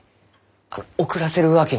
あの遅らせるわけには？